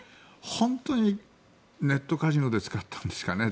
本当にネットカジノで使ったんですかね？